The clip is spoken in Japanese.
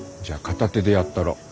じゃあ片手でやったろ。